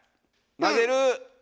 混ぜる